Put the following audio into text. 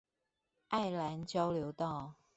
愛蘭交流道